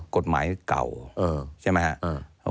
กฎหมายเก่าใช่ไหมครับ